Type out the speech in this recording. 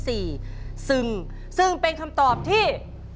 ซึ่งเป็นคำตอบที่